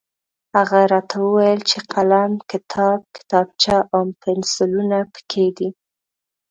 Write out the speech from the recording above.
هغه راته وویل چې قلم، کتاب، کتابچه او پنسلونه پکې دي.